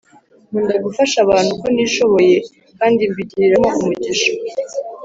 Nkunda gufasha abantu uko nishoboye kandi mbigiriramo umugisha